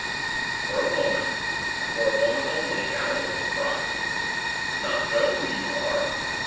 For a moment, and for a moment only, Allan was surprised. "Not know who you are?"